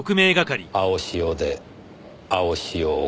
青潮で青潮を殺す。